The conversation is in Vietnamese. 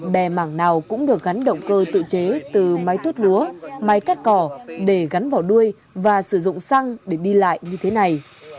bè mảng nào cũng được gắn động cơ tự chế từ máy tuốt lúa máy cắt cỏ để gắn vào đuôi và sử dụng xăng để đi lại như thế này